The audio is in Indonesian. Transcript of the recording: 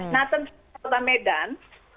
nah tentu kota medan